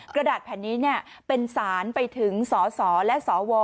กระดาษแผ่นนี้เป็นสารไปถึงสสและสว